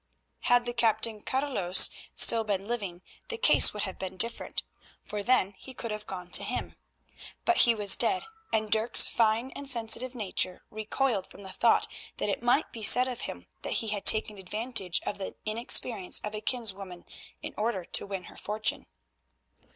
Had the Captain Carolus still been living the case would have been different, for then he could have gone to him. But he was dead, and Dirk's fine and sensitive nature recoiled from the thought that it might be said of him that he had taken advantage of the inexperience of a kinswoman in order to win her fortune.